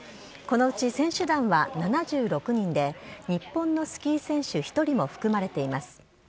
このうち選手団は７６人で日本のスキー選手１人も含まれています。